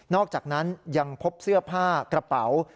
อกจากนั้นยังพบเสื้อผ้ากระเป๋า